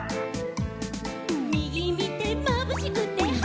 「みぎみてまぶしくてはっ」